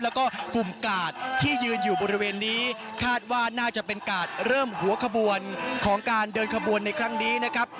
แล้วก็กลุ่มกาดที่ยืนอยู่บริเวณนี้คาดว่าน่าจะเป็นกาดเริ่มหัวขบวนของการเดินขบวนในครั้งนี้นะครับ